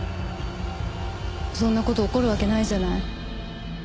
そんなこと起こるわけないじゃない。